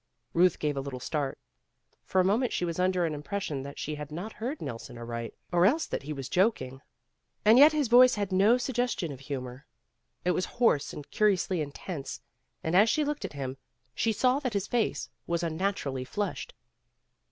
Ruth gave a little start. For a moment she was under an impression that she had not heard Nelson aright, or else that he was joking. And yet his voice had no suggestion of humor. It was hoarse and curiously intense, and as she looked at him, she saw that his face was un naturally flushed.